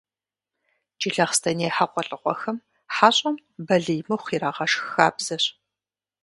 Джылэхъстэней хьэгъуэлӏыгъуэхэм хьэщӏэм «балий мыхъу» ирагъэшх хабзэщ.